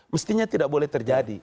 mestinya tidak boleh terjadi